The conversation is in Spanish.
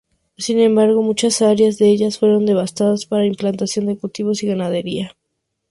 Sin embargo, muchas áreas de ella fueron devastadas para implantación de cultivos y ganadería.